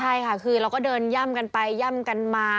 ใช่ค่ะคือเราก็เดินย่ำกันไปย่ำกันมา